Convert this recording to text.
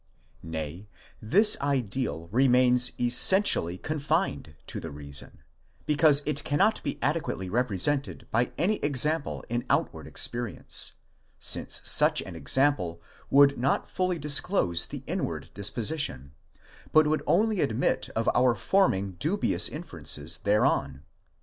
Nay, this ideal remains essentially confined to the reason, because it cannot be adequately repre sented by any example in outward experience, since such an example would not fully disclose the inward disposition, but would only admit of our forming dubious inferences thereon.